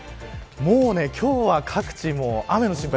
もう今日は各地雨の心配